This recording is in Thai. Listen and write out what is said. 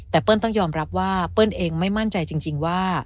แต่เปิ้ลต้องยอมรับว่าเปิ้ลเองไม่มั่นใจจริงว่า